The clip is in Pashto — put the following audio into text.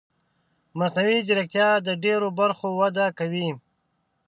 مصنوعي ځیرکتیا د ډېرو برخو وده کوي.